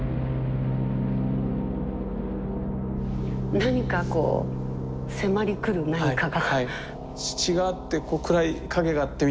何かこう迫りくる何かが。